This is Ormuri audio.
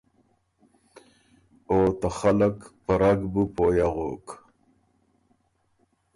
او ته خلق په رګ بُو پویٛ اغوک